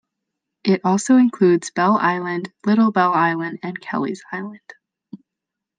It also includes Bell Island, Little Bell Island and Kelly's Island.